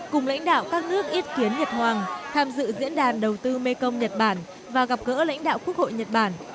cùng lãnh đạo các nước ý kiến nhật hoàng tham dự diễn đàn đầu tư mekong nhật bản và gặp gỡ lãnh đạo quốc hội nhật bản